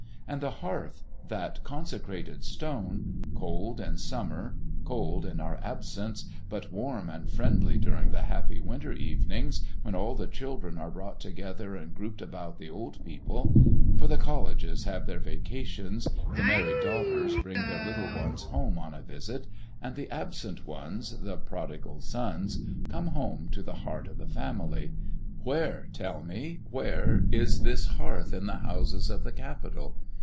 And the hearth, that consecrated stone, cold in summer, cold in our absence, but warm and friendly during the happy winter evenings when all the children are brought together and grouped about the old people, for the colleges have their vacations, the married daughters bring their little ones home on a visit, and the absent ones, the prodigal sons, come back to the heart of the family, where, tell me, where is this hearth in the houses of the capital?